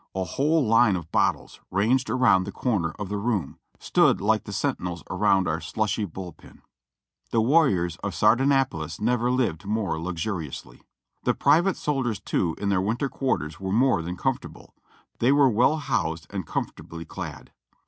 a whole line of bottles, ranged around the corner of the room, stooil like the sentinels around our slushy "bull pen." The warriors of Sardanapalus never lived more luxuriously. The private sol diers too in their winter quarters were more than comfortable, they w^ere well housed and comfortably clad.